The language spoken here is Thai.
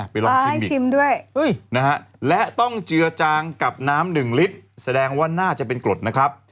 ไปลองชิมด้วยและต้องเจือจางกับน้ำ๑ลิตรแสดงว่าน่าจะเป็นกรดนะครับ